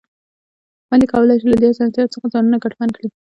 خویندې کولای شي له دې اسانتیا څخه ځانونه ګټمن کړي.